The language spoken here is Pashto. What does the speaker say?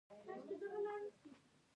ټانکۍ ډکوي.